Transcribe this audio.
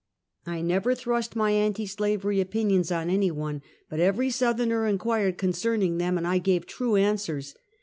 I never thrust my anti slavery opinions on any one, but every Southerner inquired concerning them, and I gave true answers.